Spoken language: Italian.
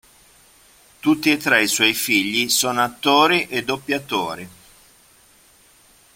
Tutti e tre i suoi figli sono attori e doppiatori.